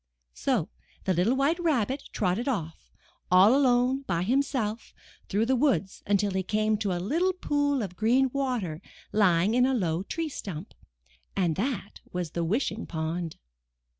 So the little White Rabbit trotted off, all alone by himself, through the woods until he came to a little pool of green water lying in a low tree stump, and that was the Wishing Pond.